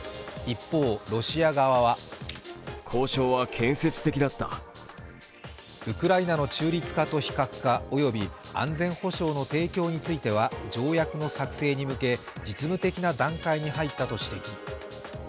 一方、ロシア側はウクライナの中立化と非核化および安全保障の提供については条約の作成に向け実務的な段階に入ったと指摘。